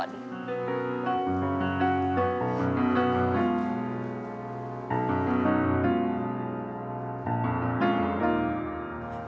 สวัสดีครับน้องเล่จากจังหวัดพิจิตรครับ